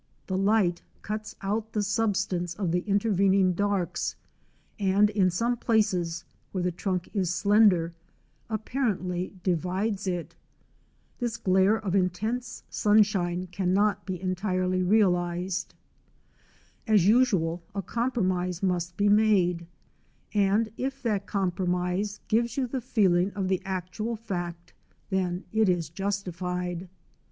The light cuts out the substance of the intervening darks, and, in some places, where the trunk is slender, apparently divides it. This glare of intense sunshine cannot be entirely realised. As usual, a compromise must be made, and if that compromise gives you the feeling of the actual fact, then it is justified.